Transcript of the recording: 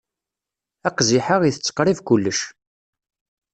Aqziḥ-a itett qrib kullec.